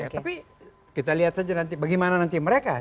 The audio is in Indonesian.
tapi kita lihat saja nanti bagaimana nanti mereka